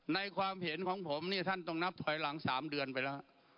ในความเห็นของผมนี่ท่านต้องนับถอยหลัง๓เดือนไปแล้ว